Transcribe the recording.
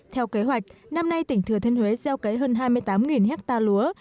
theo kế hoạch năm nay tỉnh thừa thiên huế gieo cấy hơn hai mươi tám hectare lúa